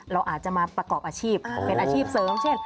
เราอาจจะมาประกอบอาชีพเป็นอาชีพเสริมเช่น